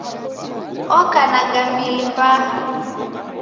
Oka na gambili mbaha